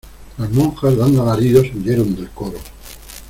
las monjas, dando alaridos , huyeron del coro.